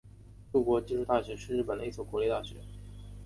筑波技术大学是日本的一所国立大学。